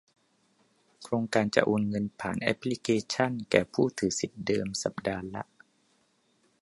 โครงการจะโอนเงินผ่านแอปพลิเคชัน แก่ผู้ถือสิทธิเดิม สัปดาห์ละ